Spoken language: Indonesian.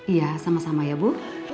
iya sama sama ya bu